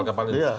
ya pasti itu